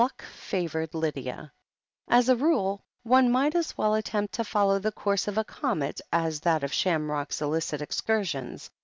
Luck favoured Lydia. As a rule, one might as well attempt to follow the course of a comet as that of Shamrock's illicit excur sions.